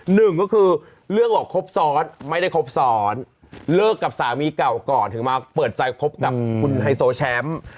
หนึ่งก็คือเรื่องบอกครบซ้อนไม่ได้ครบซ้อนเลิกกับสามีเก่าก่อนถึงมาเปิดใจคบกับคุณไฮโซแชมป์